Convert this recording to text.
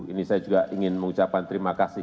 ini saya juga ingin mengucapkan terima kasih